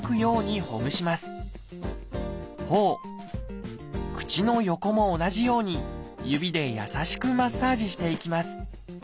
ほお口の横も同じように指で優しくマッサージしていきます。